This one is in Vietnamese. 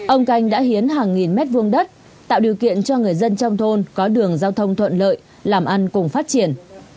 ông canh đã hiến hàng nghìn mét vuông đất tạo điều kiện cho người dân trong thôn có đường giao thông thuận lợi làm ăn cùng phát triển